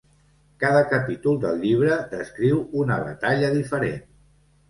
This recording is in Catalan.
Cada capítol del llibre descriu una batalla diferent.